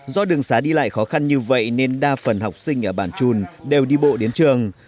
do đường xá đi lại khó khăn như vậy nên đa phần học sinh ở bản trùn đều đi bộ đến trường